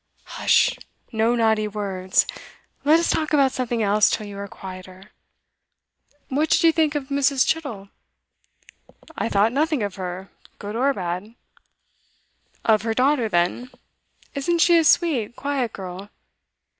'Hush! no naughty words! Let us talk about something else till you are quieter. What did you think of Mrs. Chittle?' 'I thought nothing of her, good or bad.' 'Of her daughter, then. Isn't she a sweet, quiet girl?